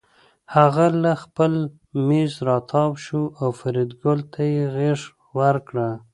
هغه له خپل مېز راتاو شو او فریدګل ته یې غېږ ورکړه